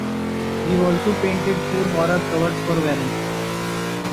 He also painted four horror covers for Warren.